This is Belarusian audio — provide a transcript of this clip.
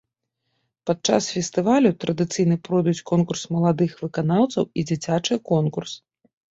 Падчас фестывалю традыцыйна пройдуць конкурс маладых выканаўцаў і дзіцячы конкурс.